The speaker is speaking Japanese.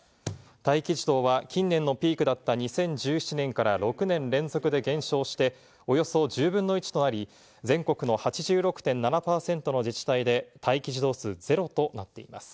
待機児童は近年のピークだった２０１７年から６年連続で減少して、およそ１０分の１となり、全国の８６．７％の自治体で待機児童数ゼロとなっています。